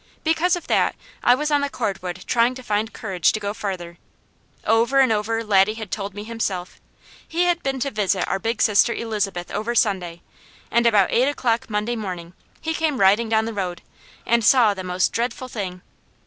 Because of that I was on the cordwood trying to find courage to go farther. Over and over Laddie had told me himself. He had been to visit our big sister Elizabeth over Sunday and about eight o'clock Monday morning he came riding down the road, and saw the most dreadful thing.